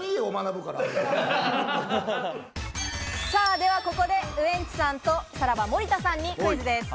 ではここでウエンツさんとさらば・森田さんにクイズです。